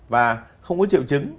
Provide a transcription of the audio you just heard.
và không có triệu chứng